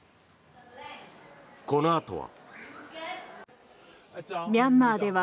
このあとは。